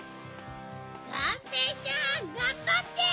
がんぺーちゃんがんばって！